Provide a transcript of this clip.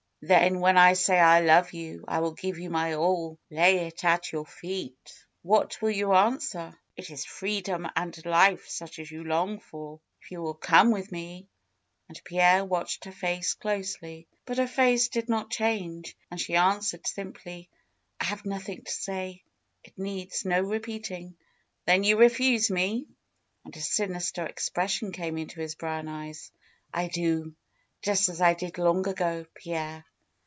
^^Then when I say I love you, I will give you my all, lay it at your feet — what will you answer? It is free FAITH 275 dom and life such as you long for, if you will come with me,'' and Pierre watched her face closely. But her face did not change, and she answered sim ply: "I have nothing to say. It needs no repeating." '^Then you refuse me?" And a sinister expression came into his brown eyes. do; just as I did long ago, Pierre."